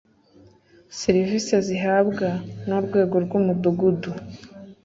Serivisi bazihabwa n urwego rw ‘umudugudu.